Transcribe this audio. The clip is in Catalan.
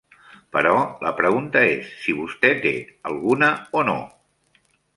Però la pregunta és si vostè té alguna o no.